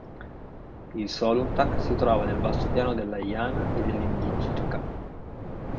Il Soluntach si trova nel Bassopiano della Jana e dell'Indigirka.